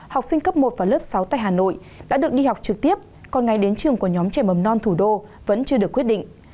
học sinh cấp một và lớp sáu tại hà nội đã được đi học trực tiếp còn ngày đến trường của nhóm trẻ mầm non thủ đô vẫn chưa được quyết định